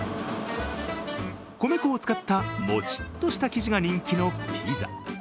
米粉を使ったもちっとした生地が人気のピザ。